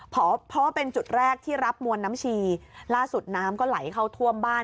เพราะว่าเป็นจุดแรกที่รับมวลน้ำชีล่าสุดน้ำก็ไหลเข้าท่วมบ้าน